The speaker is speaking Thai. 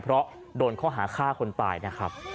เพราะโดนข้อหาฆ่าคนตายนะครับ